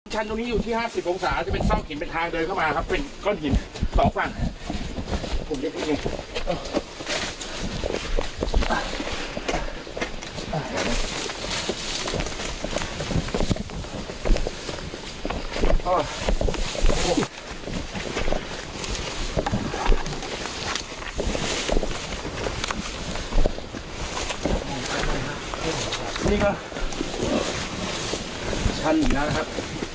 ชันตรงนี้อยู่ที่ห้าสิบองศาจะเป็นซ่อหินเป็นทางเดินเข้ามาครับ